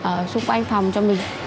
ở xung quanh phòng cho mình